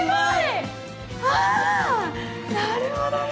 なるほどね。